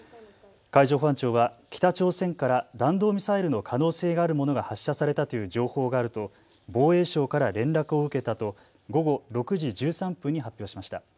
海上保安庁は北朝鮮から弾道ミサイルの可能性があるものが発射されたという情報があると防衛省から連絡を受けたと午後６時１３分に発表しました。